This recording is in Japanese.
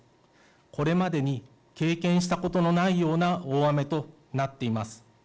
これまでに経験したことのないような大雨となっています。